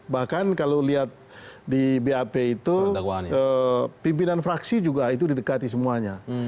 bahkan kalau lihat di bap itu pimpinan fraksi juga itu didekati semuanya